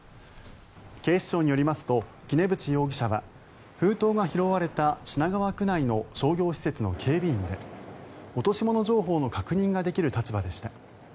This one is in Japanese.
警視庁によりますと杵渕容疑者は封筒が拾われた品川区内の商業施設の警備員で落とし物情報の確認ができる立場でした。